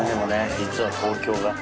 実は東京が。